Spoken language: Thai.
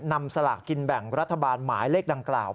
สลากกินแบ่งรัฐบาลหมายเลขดังกล่าว